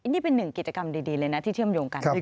นี่เป็นหนึ่งกิจกรรมดีเลยนะที่เชื่อมโยงกัน